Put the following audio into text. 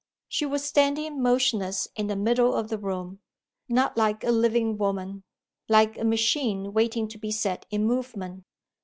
She was standing motionless in the middle of the room not like a living woman like a machine waiting to be set in movement.